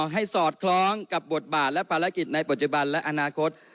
สอดคล้องกับบทบาทและภารกิจในปัจจุบันและอนาคต